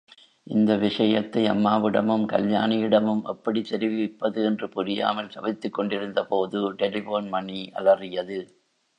இந்த விஷயத்தை அம்மாவிடமும், கல்யாணியிடமும் எப்படித் தெரிவிப்பது என்று புரியாமல் தவித்துக் கொண்டிருந்தபோது டெலிபோன் மணி அலறியது.